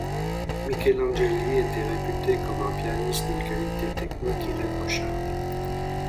Michelangeli était réputé comme un pianiste d'une qualité technique irréprochable.